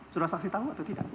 sudah saksi tahu atau tidak